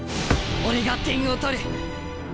俺が点を取る！